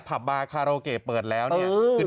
ผับบาร์คาโรเกะเปิดแล้วเนี่ย